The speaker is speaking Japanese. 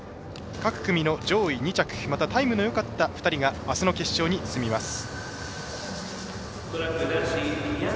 各組の上位２着またタイムのよかった２人があすの決勝に進みます。